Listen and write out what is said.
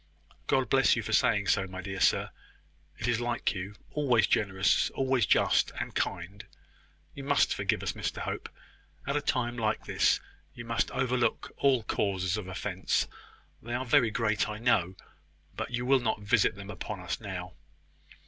"God bless you for saying so, my dear sir! It is like you always generous, always just and kind! You must forgive us, Mr Hope. At a time like this, you must overlook all causes of offence. They are very great, I know; but you will not visit them upon us now."